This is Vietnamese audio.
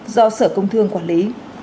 do sở công thương quản lý